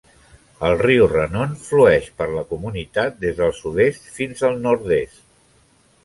El riu Renon flueix per la comunitat des del sud-est fins el nord-est.